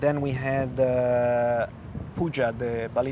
dan kemudian kami memiliki